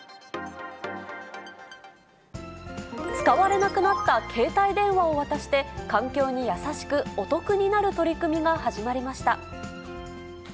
使われなくなった携帯電話を渡して、環境に優しく、お得になる取り組みが始まりました。